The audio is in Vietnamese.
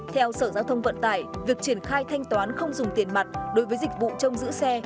theo sở giao thông vận tải việc triển khai thanh toán không dùng tiền mặt đối với dịch vụ trông giữ xe